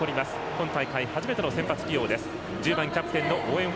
今大会、初めての先発起用です。